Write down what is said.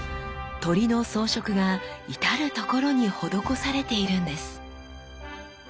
鳥の装飾が至る所に施されているんです。